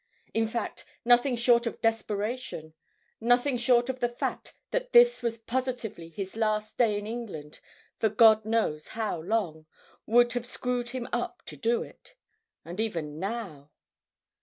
In fact, nothing short of desperation, nothing short of the fact that this was positively his last day in England for God knows how long, would have screwed him up to it. And even now....